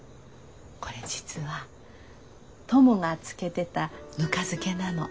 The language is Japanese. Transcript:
これ実はトモが漬けてたぬか漬けなの。